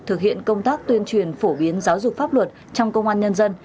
thực hiện công tác tuyên truyền phổ biến giáo dục pháp luật trong công an nhân dân